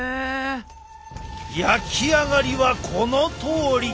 焼き上がりはこのとおり！